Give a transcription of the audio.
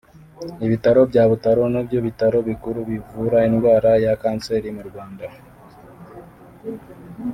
Ibitaro bya Butaro nibyo bitaro bikuru bivura indwara ya kanseri mu Rwanda